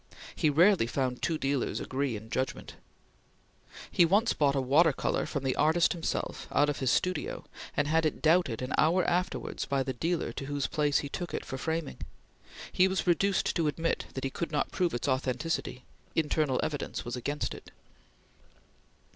He rarely found two dealers agree in judgment. He once bought a water color from the artist himself out of his studio, and had it doubted an hour afterwards by the dealer to whose place he took it for framing. He was reduced to admit that he could not prove its authenticity; internal evidence was against it.